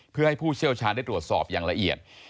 เพื่อให้ผู้เชี่ยวชาญได้ตรวจสอบอย่างละเอียด